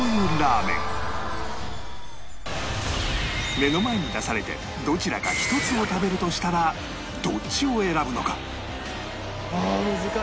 目の前に出されてどちらか１つを食べるとしたらどっちを選ぶのか？